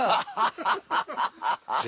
ハハハハハ。